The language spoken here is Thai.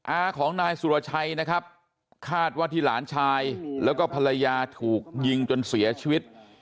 อาของนายสุรชัยนะครับคาดว่าที่หลานชายแล้วก็ภรรยาถูกยิงจนเสียชีวิต